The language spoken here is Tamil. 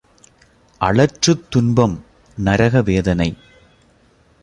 அளற்றுத் துன்பம்— நரக வேதனை.